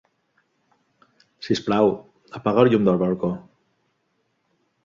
Si us plau, apaga el llum del balcó.